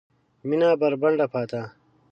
مېنه بربنډه پاته